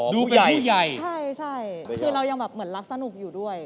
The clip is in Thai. ดูเป็นผู้ใหญ่ใช่ใช่คือเรายังแบบเหมือนรักสนุกอยู่ด้วย